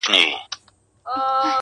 وايي تبلیغ دی د کافرانو!!